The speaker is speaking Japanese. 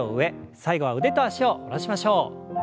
最後は腕と脚を戻しましょう。